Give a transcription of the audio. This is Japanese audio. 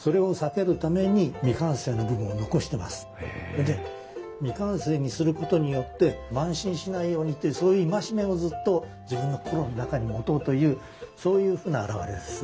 それで未完成にすることによって慢心しないようにっていうそういう戒めをずっと自分の心の中に持とうというそういうふうな表れです。